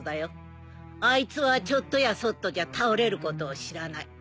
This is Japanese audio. あいつはちょっとやそっとじゃ倒れることを知らない。